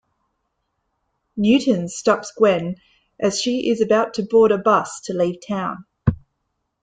Newton stops Gwen as she is about to board a bus to leave town.